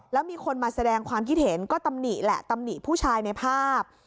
แล้วมีคนมาแสดงความคิดเห็นก็ตำหนิแหละตำหนิผู้ชายในภาพ